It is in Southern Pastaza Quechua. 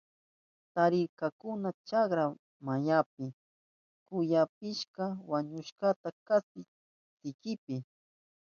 Tarirkakuna chakra mayanpi kuyapisika wañushkata kaspi sikinpi.